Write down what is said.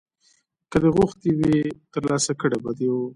که دې غوښتي وای ترلاسه کړي به دې وو